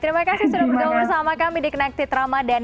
terima kasih sudah berjalan bersama kami di connected ramadhan